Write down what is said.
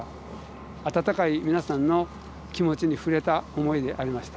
温かい皆さんの気持ちに触れた思いでありました。